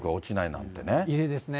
なん異例ですね。